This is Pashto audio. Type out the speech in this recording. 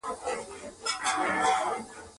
په واشنګټن پوهنتون کې ډاکټر ډسیس مشري کوي.